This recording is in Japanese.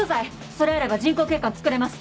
それあれば人工血管作れます。